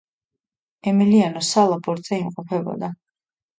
ემილიანო სალა ბორტზე იმყოფებოდა.